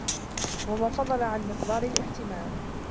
وَمَا فَضَلَ عَنْ مِقْدَارِ الِاحْتِمَالِ